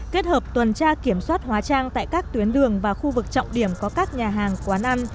kết hợp tuần tra kiểm soát hóa trang tại các tuyến đường và khu vực trọng điểm có các nhà hàng quán ăn